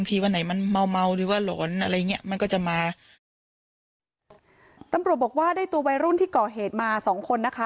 ตำรวจบอกว่าได้ตัววัยรุ่นที่ก่อเหตุมา๒คนนะคะ